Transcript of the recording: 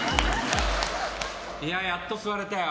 やっと座れたよ。